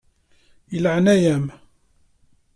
Nɛeyyen-am.